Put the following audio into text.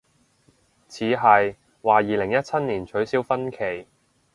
似係，話二零一七年取消婚期